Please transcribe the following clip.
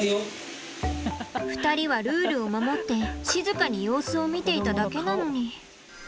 ２人はルールを守って静かに様子を見ていただけなのに。